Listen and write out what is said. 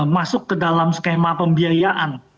masuk ke dalam skema pembiayaan